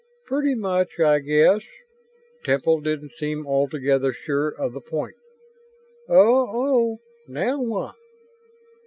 "Pretty much ... I guess." Temple didn't seem altogether sure of the point. "Oh oh. Now what?"